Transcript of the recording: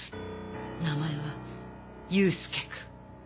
名前は佑介君。